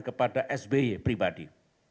kepada sby pribadi